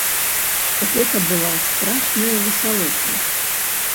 Гэта была страшная весялуха.